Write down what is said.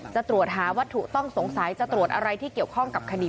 จะตรวจหาวัตถุต้องสงสัยจะตรวจอะไรที่เกี่ยวข้องกับคดี